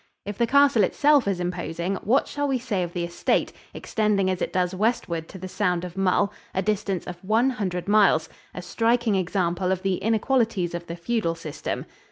If the castle itself is imposing, what shall we say of the estate, extending as it does westward to the Sound of Mull, a distance of one hundred miles a striking example of the inequalities of the feudal system.